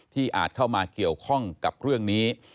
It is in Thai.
อาจเข้ามาเกี่ยวข้องกับเรื่องนี้